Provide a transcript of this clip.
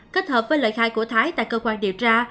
kết hợp với lời khai của thái tại cơ quan điều tra